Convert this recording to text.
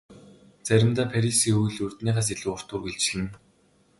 Заримдаа Парисын өвөл урьдынхаас илүү урт үргэлжилнэ.